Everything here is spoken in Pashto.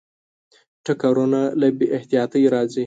ټکرونه له بې احتیاطۍ راځي.